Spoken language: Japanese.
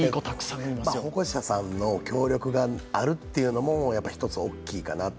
保護者さんの協力があるというのも１つ、大きいかなと。